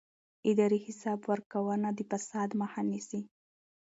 اداري حساب ورکونه د فساد مخه نیسي